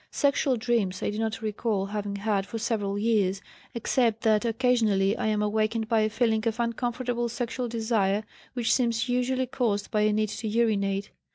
Sexual dreams I do not recall having had for several years, except that occasionally I am awakened by a feeling of uncomfortable sexual desire, which seems usually caused by a need to urinate.